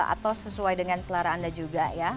atau sesuai dengan selera anda juga ya